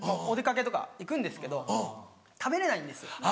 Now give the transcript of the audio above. お出掛けとか行くんですけど食べれないんですよ。